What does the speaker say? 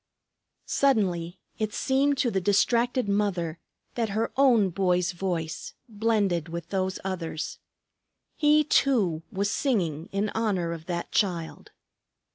Suddenly it seemed to the distracted mother that her own boy's voice blended with those others. He too was singing in honor of that Child.